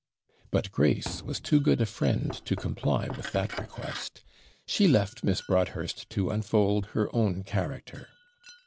But Grace was too good a friend to comply with that request; she left Miss Broadhurst to unfold her own character.